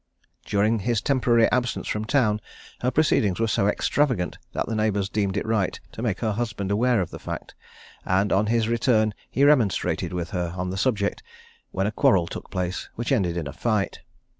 During his temporary absence from town, her proceedings were so extravagant, that the neighbours deemed it right to make her husband aware of the fact; and on his return he remonstrated with her on the subject, when a quarrel took place, which ended in a fight.